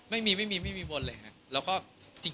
ไม่มีโวลแหลกขนาดนี้